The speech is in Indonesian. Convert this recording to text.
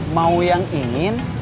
mau yang ingin